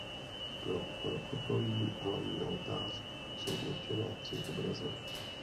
Pro rokokový hlavní oltář jsou určené tři obrazy.